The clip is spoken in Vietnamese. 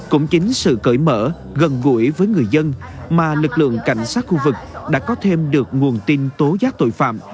cũng chính sự cởi mở gần gũi với người dân mà lực lượng cảnh sát khu vực đã có thêm được nguồn tin tố giác tội phạm